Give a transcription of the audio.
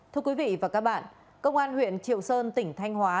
thưa quý vị và các bạn công an huyện triệu sơn tỉnh thanh hóa